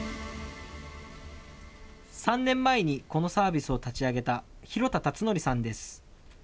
３年前にこのサービスを立ち上げた廣田達宣さんです。